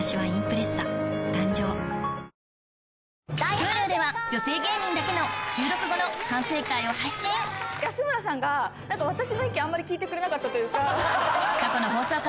Ｈｕｌｕでは女性芸人だけの収録後の反省会を配信安村さんが私の意見あんまり聞いてくれなかったというか。